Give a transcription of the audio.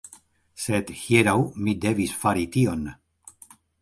Sed, hieraŭ, mi devis fari tion.